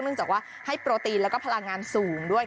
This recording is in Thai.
จากว่าให้โปรตีนแล้วก็พลังงานสูงด้วย